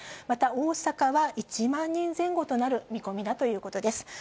また、大阪は１万人前後となる見込みだということです。